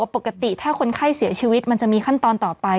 ปกติถ้าคนไข้เสียชีวิตมันจะมีขั้นตอนต่อไป